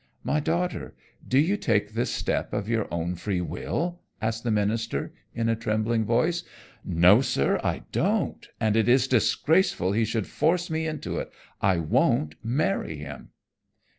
"My daughter, do you take this step of your own free will?" asked the minister in a trembling voice. "No sir, I don't, and it is disgraceful he should force me into it! I won't marry him."